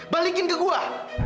balikin ke gue